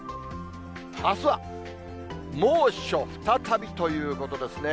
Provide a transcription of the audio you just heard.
あすは猛暑再びということですね。